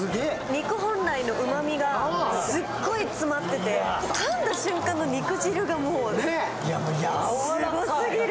肉本来のうまみがすっごい詰まっててかんだ瞬間の肉汁がすごすぎる。